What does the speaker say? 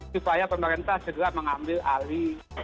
supaya pemerintah segera mengambil alih